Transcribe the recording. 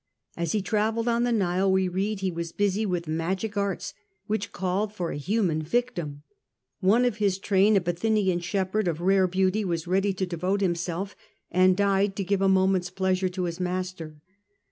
As he travelled on the Nile, we read, he was busy with magic arts which called for a human victim. One of his train, a Bithynian shepherd of rare beauty, was ready to devote himself, and died to give a moments The death pleasure to his master.